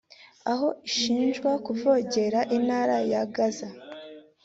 aho ishinjwa kuvogera intara ya Gaza